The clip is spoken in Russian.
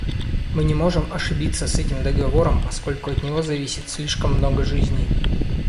Мы не можем ошибиться с этим договором, поскольку от него зависит слишком много жизней.